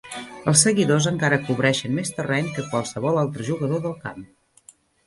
Els seguidors encara cobreixen més terreny que qualsevol altre jugador del camp.